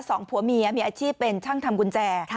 สองผัวเมียมีอาชีพเป็นช่างทำกุญแจ